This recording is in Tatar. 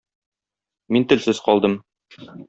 Мин телсез калдым.